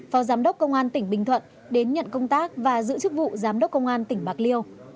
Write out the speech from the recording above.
phó giám đốc công an tỉnh bình thuận đến nhận công tác và giữ chức vụ giám đốc công an tỉnh bạc liêu